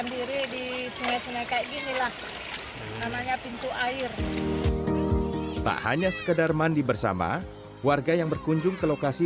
namanya pintu air tak hanya sekedar mandi bersama warga yang berkunjung ke lokasi